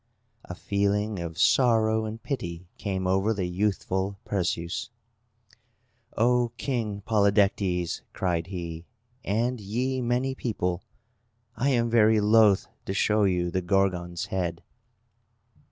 A feeling of sorrow and pity came over the youthful Perseus. "O King Polydectes," cried he, "and ye many people, I am very loath to show you the Gorgon's head!"